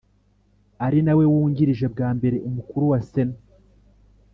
Ari nawe wungirije bwa mbere umukuru wa sena